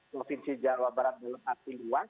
provinsi jawa barat